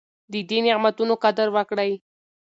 د دې نعمتونو قدر وکړئ.